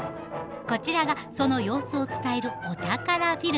こちらがその様子を伝えるお宝フィルム。